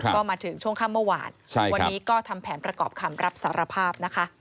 ก็มาถึงช่วงค่ำเมื่อวานวันนี้ก็ทำแผนประกอบคำรับสารภาพนะคะ